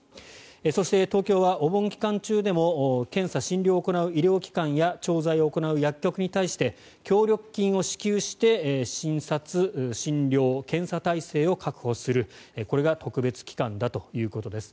そして、東京はお盆期間中でも検査・診療を行う医療機関や調剤を行う薬局に対して協力金を支給して診察診療・検査体制を確保するこれが特別期間だということです。